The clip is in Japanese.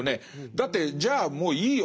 だってじゃあもういいよ